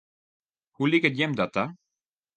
Hoe liket jim dat ta?